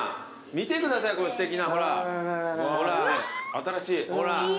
新しい。